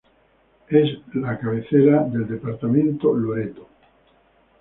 Es la cabecera del departamento Loreto.